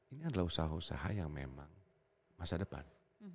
ini adalah usaha usaha yang memang masa depan